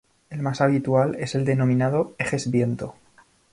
El más habitual es el denominado "ejes viento".